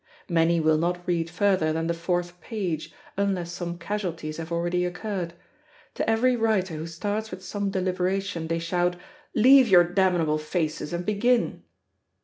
Many will not read further than the fourth page, unless some casualties have already occurred. To every writer who starts with some deliberation, they shout, "Leave your damnable faces and begin."